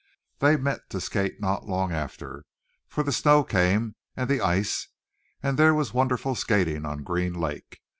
They met to skate not long after, for the snow came and the ice and there was wonderful skating on Green Lake.